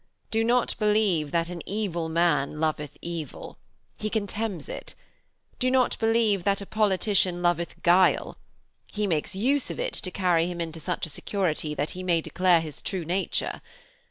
Do not believe that an evil man loveth evil. He contemns it. Do not believe that a politician loveth guile. He makes use of it to carry him into such a security that he may declare his true nature.